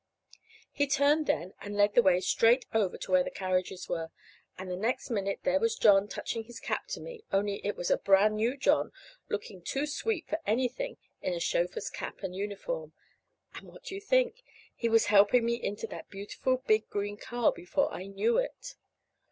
He turned then and led the way straight over to where the carriages were, and the next minute there was John touching his cap to me; only it was a brand new John looking too sweet for anything in a chauffeur's cap and uniform. And, what do you think? He was helping me into that beautiful big green car before I knew it.